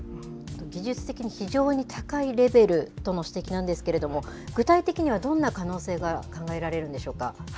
技術的に非常に高いレベルとの指摘なんですけれども、具体的にはどんな可能性が考えられるんでしょうか。